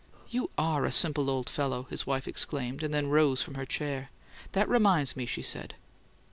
"You ARE a simple old fellow!" his wife exclaimed, and then rose from her chair. "That reminds me," she said.